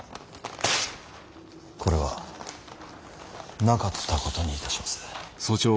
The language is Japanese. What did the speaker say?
これはなかったことにいたします。